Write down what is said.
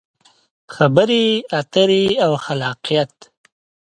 خبرې اترې او خلاقیت: